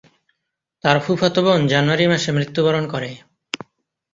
তার ফুফাতো বোন জানুয়ারি মাসে মৃত্যুবরণ করে।